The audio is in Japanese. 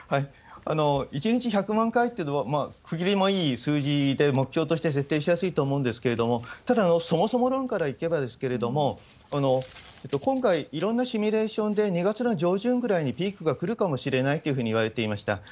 １日１００万回ってのは、区切りもいい数字で、目標として設定しやすいと思うんですけれども、ただ、そもそも論からいけばですけれども、今回いろんなシミュレーションで、２月の上旬ぐらいにピークが来るかもしれないというふうにいわれていました。